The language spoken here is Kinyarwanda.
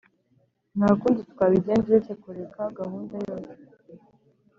nta kundi twabigenza uretse kureka gahunda yose.